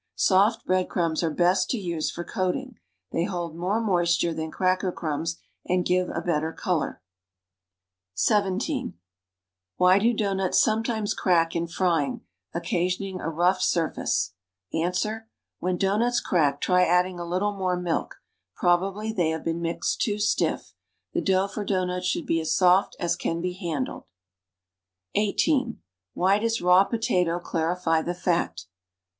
Soft bread crumbs are best to use for coating. They hold more moisture than cracker criunbs and give a better color. (17) Why do doughnuts sometimes crack in frying, occasioning a rough surface? Ans. When doughnuts crack, try adding a little more milk; prob ably they have been mixed too stiff. The dough for dough nuts should be as soft as can be handled. (18) Why does raw potato clarify the fat?